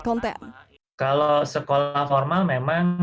kalau sekolah formal memang